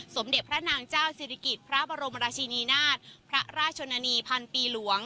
สมเด็จพระนางเจ้าศิริกิจพระบรมราชินีนาฏพระราชนีพันปีหลวง